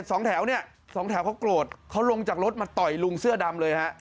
สองแถวเนี่ยสองแถวเขาโกรธเขาลงจากรถมาต่อยลุงเสื้อดำเลยฮะ